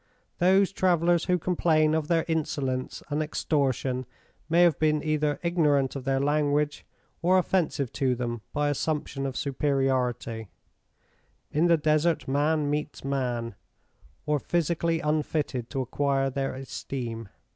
Those travellers who complain of their insolence and extortion may have been either ignorant of their language or offensive to them by assumption of superority, in the Desert man meets man, or physically unfitted to acquire their esteem.